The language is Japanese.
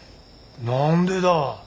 何でだ？